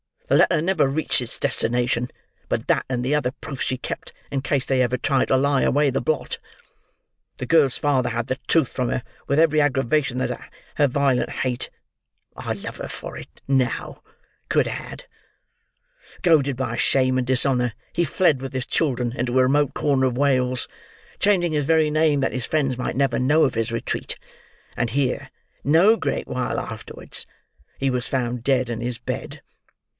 The letter never reached its destination; but that, and other proofs, she kept, in case they ever tried to lie away the blot. The girl's father had the truth from her with every aggravation that her violent hate—I love her for it now—could add. Goaded by shame and dishonour he fled with his children into a remote corner of Wales, changing his very name that his friends might never know of his retreat; and here, no great while afterwards, he was found dead in his bed.